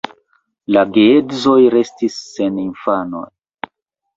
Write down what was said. La geedzoj restis sen infanoj.